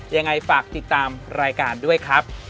ยังไงฝากติดตามรายการด้วยครับ